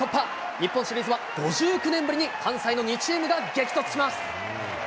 日本シリーズは５９年ぶりに関西の２チームが激突します。